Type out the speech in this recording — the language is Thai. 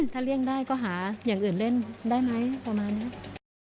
ถ้าเลี่ยงได้ก็หาอย่างอื่นเล่นได้ไหมประมาณนี้